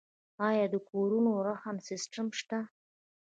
آیا د کورونو رهن سیستم شته؟